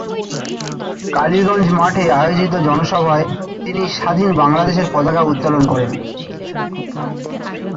কালীগঞ্জ মাঠে আয়োজিত জনসভায় তিনি স্বাধীন বাংলাদেশের পতাকা উত্তোলন করেন।